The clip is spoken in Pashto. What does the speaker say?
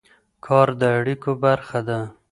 کار د اړیکو برخه ده.